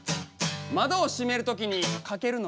窓を閉める時にかけるのは？